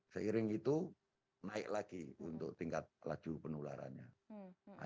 seiring itu naik lagi untuk tingkat laju penularannya